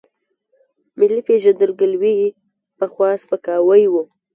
ملي پېژندګلوۍ پخوا سپکاوی و.